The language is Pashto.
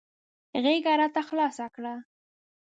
غېږه یې راته خلاصه کړه .